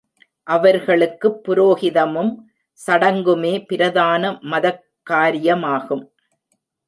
அவர்களுக்குப் புரோகிதமும், சடங்குமே பிரதான மதக் காரியமாகும்.